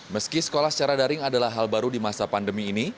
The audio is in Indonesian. meski sekolah secara daring adalah hal baru di masa pandemi ini